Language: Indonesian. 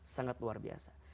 sangat luar biasa